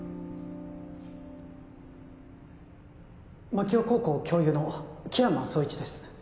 槙尾高校教諭の樹山蒼一です。